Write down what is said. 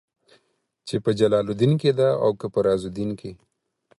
چې په جلال الدين کې ده او که په رازالدين کې.